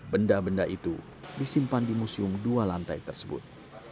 benda benda itu disimpan di museum dua lantai tersebut